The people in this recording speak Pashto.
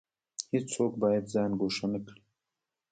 هیڅوک باید ځان ګوښه نکړي